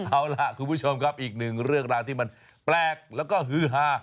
เอาล่ะคุณผู้ชมครับอีกหนึ่งเรื่องราวที่มันแปลกแล้วก็ฮือฮา